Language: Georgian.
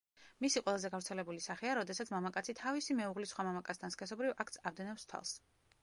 მისი ყველაზე გავრცელებული სახეა, როდესაც მამაკაცი თავისი მეუღლის სხვა მამაკაცთან სქესობრივ აქტს ადევნებს თვალს.